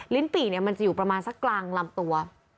ลิ้นปี่เนี่ยมันจะอยู่ประมาณสักกลางลำตัว